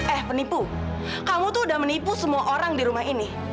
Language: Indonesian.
eh penipu kamu tuh udah menipu semua orang di rumah ini